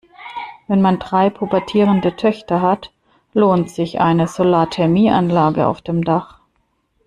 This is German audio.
Wenn man drei pubertierende Töchter hat, lohnt sich eine Solarthermie-Anlage auf dem Dach.